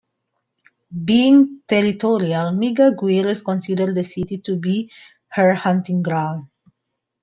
Being territorial, Megaguirus considers the city to be her hunting ground.